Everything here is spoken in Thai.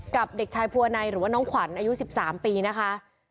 เด็กชายภูอนัยหรือว่าน้องขวัญอายุ๑๓ปีนะคะ